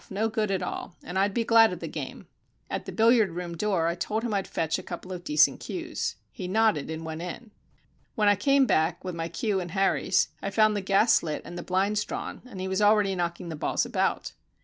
No good at all. And I'd be glad of the game." At the billiard room door I told him I'd fetch a couple of decent cues. He nodded and went in. When I came back with my cue and Harry's, I found the gas lit and the blinds drawn, and he was already knocking the balls about.